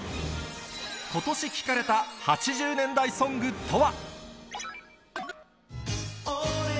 ことし聴かれた８０年代ソングとは。